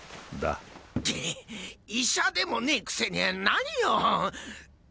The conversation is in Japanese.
って医者でもねぇくせに何を！？